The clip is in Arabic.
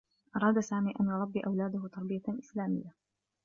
أراد سامي أن يربّي أولاده تربية إسلاميّة.